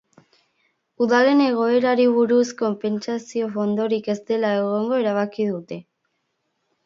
Udalen egoerari buruz, konpentsazio-fondorik ez dela egongo erabaki dute.